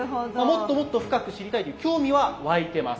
もっともっと深く知りたいっていう興味は湧いてます。